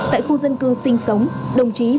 tại khu dân cư sinh sống